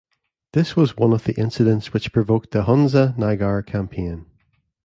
This was one of the incidents which provoked the Hunza-Nagar Campaign.